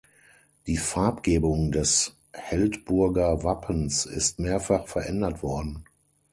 Die Farbgebung des Heldburger Wappens ist mehrfach verändert worden.